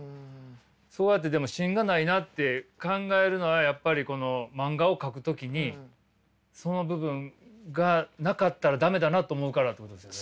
そうやってでも芯がないなって考えるのはやっぱりこの漫画を描く時にその部分がなかったら駄目だなと思うからってことですよね？